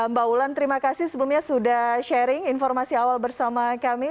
mbak ulan terima kasih sebelumnya sudah sharing informasi awal bersama kami